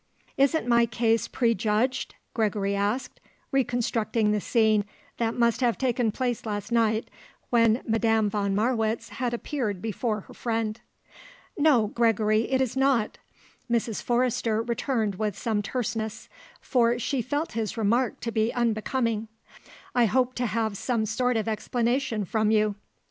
"Isn't my case prejudged?" Gregory asked, reconstructing the scene that must have taken place last night when Madame von Marwitz had appeared before her friend. "No, Gregory; it is not," Mrs. Forrester returned with some terseness, for she felt his remark to be unbecoming. "I hope to have some sort of explanation from you."